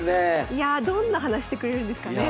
いやあどんな話してくれるんですかね？